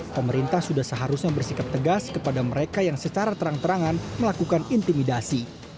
pemerintah sudah seharusnya bersikap tegas kepada mereka yang secara terang terangan melakukan intimidasi